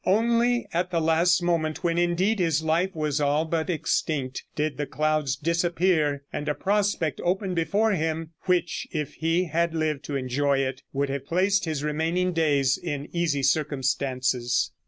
Only at the last moment, when indeed his life was all but extinct, did the clouds disappear, and a prospect open before him, which if he had lived to enjoy it, would have placed his remaining days in easy circumstances.